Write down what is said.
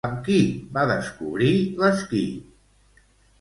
Amb qui va descobrir l'esquí?